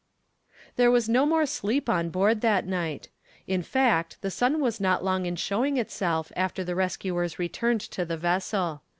There was no more sleep on board that night. In fact the sun was not long in showing itself after the rescuers returned to the vessel.